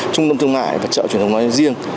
trung tâm thương mại và chợ truyền thống nói riêng